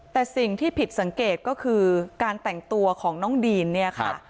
แต่สิ่งที่ผิดสังเกตก็คือการแต่งตัวของน้องดีนเนี่ยค่ะ